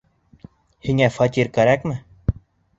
Һиңә фатир кәрәкме?